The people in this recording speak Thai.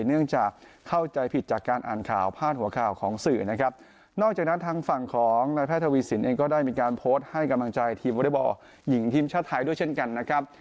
เนื่องจากเข้าใจผิดจากการอ่านข่าวพาดหัวข่าวของสื่อนะครับนอกจากนั้นทางฝั่งของนายแพทย์ทวีสินเองก็ได้มีการโพสต์ให้กำลังใจทีมวอเล็กบอลหญิงทีมชาติไทยด้วยเช่นกันนะครับ